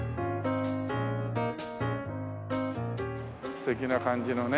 素敵な感じのね。